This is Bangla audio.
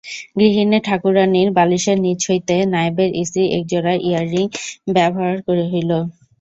গৃহিণীঠাকুরানীর বালিশের নীচে হইতে নায়েবের স্ত্রীর একজোড়া ইয়ারিং বাহির হইল।